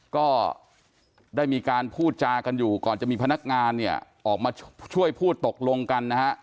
ก็ได้มีการพูดจากันอยู่ก่อนจะมีพนักงานเนี่ยออกมาช่วยพูดตกลงกันนะฮะ